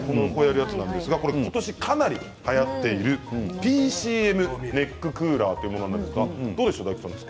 今年かなりはやっているＰＣＭネッククーラーというものなんですがどうでしょう？